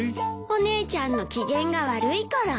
お姉ちゃんの機嫌が悪いから。